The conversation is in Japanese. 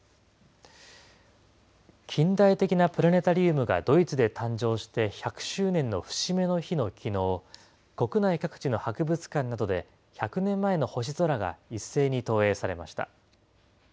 近代的なプラネタリウムがドイツで誕生して１００周年の節目の日のきのう、国内各地の博物館などで、１００年前の星空が一斉に投影されました。